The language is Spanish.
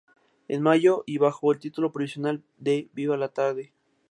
En mayo, y bajo el título provisional de "¡Viva la tarde!